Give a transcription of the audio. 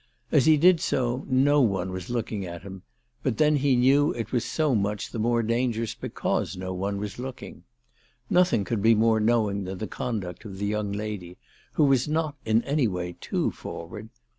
As he did so no one was looking at him, but then he knew that it was so much the more dangerous because no one was looking. Nothing could be more knowing than the conduct of the young lady, who was not in any way too forward.